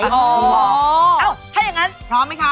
เอ้าถ้าอย่างนั้นพร้อมไหมคะ